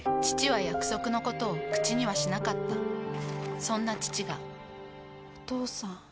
父は約束のことを口にはしなかったそんな父がお父さん。